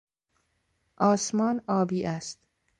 آسمان آبی است.